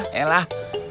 ah ya lah